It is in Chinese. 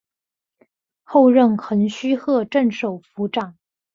后任横须贺镇守府长。